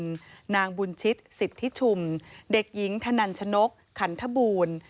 พิกุลนางบุญชิตสิบทิชุมเด็กหญิงธนันชนกขันธบูรณ์